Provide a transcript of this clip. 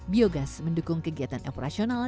biogas mendukung kegiatan operasional